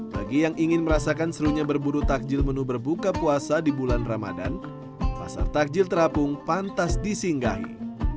bagi yang ingin merasakan serunya berburu takjil menu berbuka puasa di bulan ramadan pasar takjil terapung pantas disinggahi